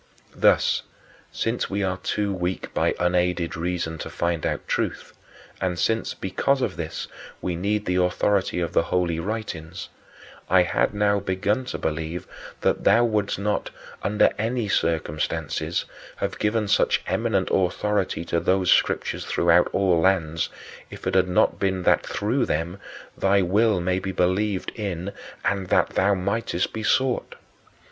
Thus, since we are too weak by unaided reason to find out truth, and since, because of this, we need the authority of the Holy Writings, I had now begun to believe that thou wouldst not, under any circumstances, have given such eminent authority to those Scriptures throughout all lands if it had not been that through them thy will may be believed in and that thou mightest be sought.